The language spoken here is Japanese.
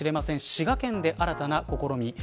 滋賀県で新たな試み。